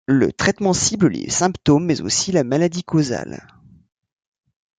Le traitement cible les symptômes mais aussi la maladie causale.